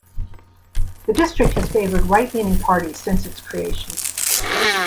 The district has favoured right leaning parties since its creation.